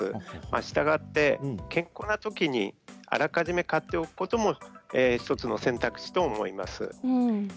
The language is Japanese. したがって、健康なときにあらかじめ買っておくことも１つの選択肢だと思います。